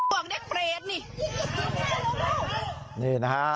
พวกเด็กเปรตนี่นี่นะฮะ